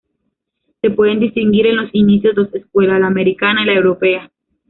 Se pueden distinguir en los inicios dos escuelas, la americana y la europea.